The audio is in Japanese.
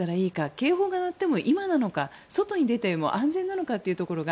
警報が鳴っても今なのか、外に出ても安全なのかってところが